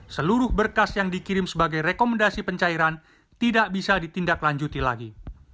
seluruh berkas yang dikirim sebagai rekomendasi pencairan tidak bisa ditindaklanjuti lagi